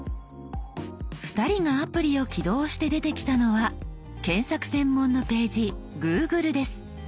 ２人がアプリを起動して出てきたのは検索専門のページ「Ｇｏｏｇｌｅ」です。